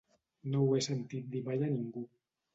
No ho he sentit dir mai a ningú.